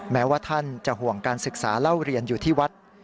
แม้ว่าท่านจะห่วงการศึกษาเล่าเรียนอยู่ที่วัด